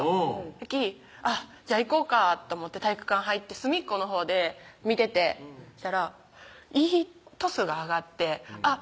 やきじゃあ行こうかと思って体育館入って隅っこのほうで見ててしたらいいトスが上がってあっ